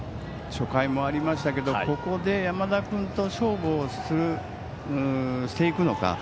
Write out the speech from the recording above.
初回もありましたけどここで山田君と勝負をしていくのか。